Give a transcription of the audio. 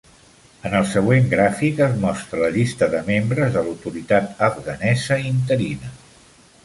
En el següent gràfic es mostra la llista de membres de l'autoritat afganesa interina.